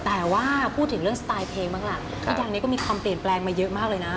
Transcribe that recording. แต่ว่าพูดถึงเรื่องสไตล์เพลงบ้างล่ะพี่ดังเนี่ยก็มีความเปลี่ยนแปลงมาเยอะมากเลยนะ